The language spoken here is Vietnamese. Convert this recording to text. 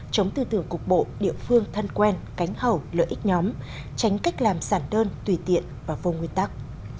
chống tư tưởng cục bộ địa phương thân quen cánh hậu lợi ích nhóm tránh cách làm sản đơn tùy tiện và vô nguyên tắc